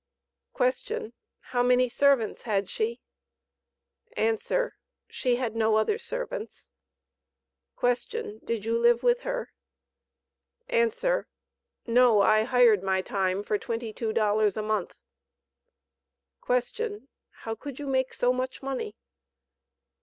Q. "How many servants had she?" A. "She had no other servants." Q. "Did you live with her?" A. "No. I hired my time for twenty two dollars a month." Q. "How could you make so much money?"